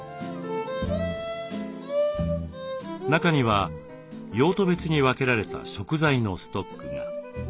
中には用途別に分けられた食材のストックが。